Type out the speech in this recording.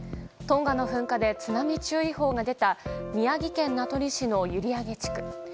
トンガの噴火で津波注意報が出た宮城県名取市の閖上地区。